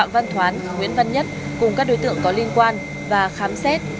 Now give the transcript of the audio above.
bán nguyễn văn nhất cùng các đối tượng có liên quan và khám xét